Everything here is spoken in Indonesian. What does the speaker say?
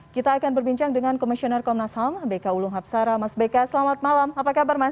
kita akan berbincang dengan komisioner komnas ham bk ulu hapsara mas beka selamat malam apa kabar mas